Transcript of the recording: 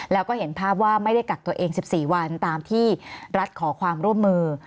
แล้วก็เห็นภาพว่าไม่ได้กักตัวเอง๑๔วันตามที่รัฐขอความร่วมมือ